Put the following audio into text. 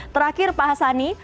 terakhir pak hassani